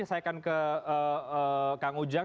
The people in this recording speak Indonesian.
saya akan ke kang ujang